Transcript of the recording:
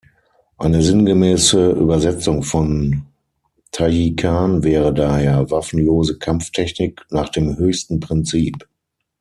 Eine sinngemäße Übersetzung von „Taijiquan“ wäre daher: „Waffenlose Kampftechnik nach dem höchsten Prinzip“.